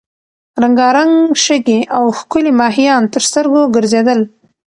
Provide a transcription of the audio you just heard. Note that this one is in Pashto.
رنګارنګ شګې او ښکلي ماهیان تر سترګو ګرځېدل.